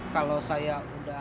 kalau saya udah